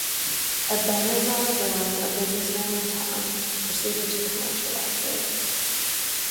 Ebenezar Brown, a businessman in town, proceeded to commercialize it.